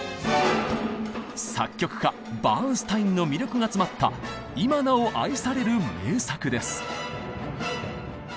作曲家バーンスタインの魅力が詰まった今なお愛される名作です。